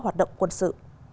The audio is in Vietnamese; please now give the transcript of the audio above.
hoạt động quân sự